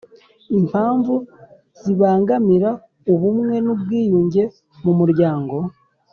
Impamvu zibangamira ubumwe n ubwiyunge mu muryango